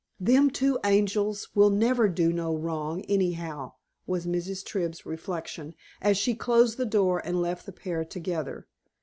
"Them two angels will never do no wrong, anyhow," was Mrs. Tribb's reflection, as she closed the door and left the pair together.